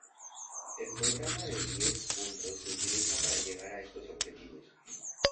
El Programa de diez puntos se utiliza para llegar a estos objetivos.